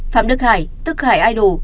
phạm đức hải tức hải idol